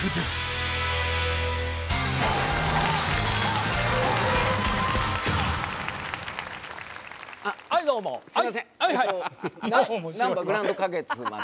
えっとなんばグランド花月まで。